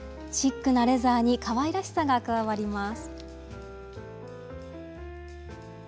シックなレザーにかわいらしさが加わります。